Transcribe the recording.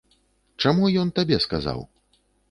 Чаму ён табе сказаў?